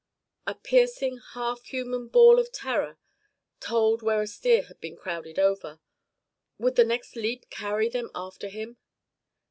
A piercing, half human bawl of terror told where a steer had been crowded over. Would the next leap carry them after him?